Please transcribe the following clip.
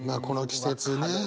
この季節ね。